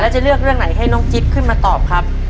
จะเลือกเรื่องไหนให้น้องจิ๊บขึ้นมาตอบครับ